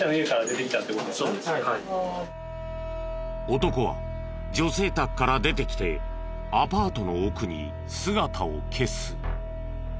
男は女性宅から出てきてアパートの奥に姿を消す。